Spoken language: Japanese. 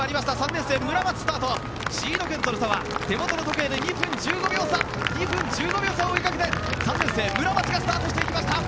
３年生、村松とのスタートシード圏との差は手元の時計で２分１５秒差を追いかけて３年生、村松がスタートしていきました。